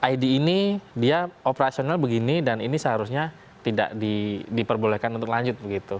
id ini dia operasional begini dan ini seharusnya tidak diperbolehkan untuk lanjut begitu